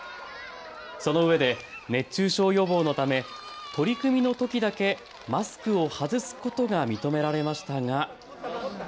そのうえで熱中症予防のため取組のときだけマスクを外すことが認められましたが。